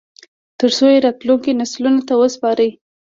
ترڅو یې راتلونکو نسلونو ته وسپاري